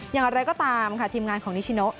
อย่างไรก็ตามค่ะทีมงานของนิชิโน